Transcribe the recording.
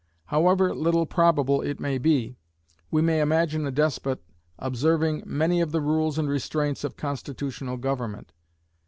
However little probable it may be, we may imagine a despot observing many of the rules and restraints of constitutional government.